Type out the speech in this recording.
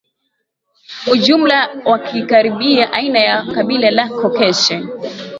ujumla wakikaribia aina wa kabila la Caucasian